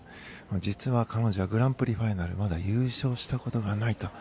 実は彼女はグランプリファイナルまだ優勝したことがないと。